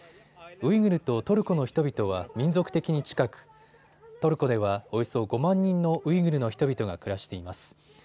ウイグルとトルコの人々は民族的に近くトルコではおよそ５万人のウイグルの人々が暮らしています。